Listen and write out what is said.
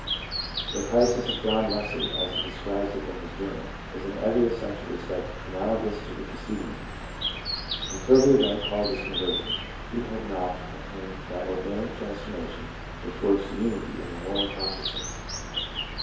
The crisis of John Wesley as he describes it in his journal, is in every essential respect analogous to the preced ing one. Until the event called his conversion, he had not obtained that organic transformation which works unity in the moral consciousness.